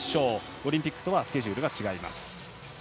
オリンピックとはスケジュールが違います。